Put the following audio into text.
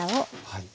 はい。